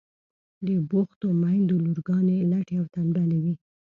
د بوختو میندو لورگانې لټې او تنبلې وي.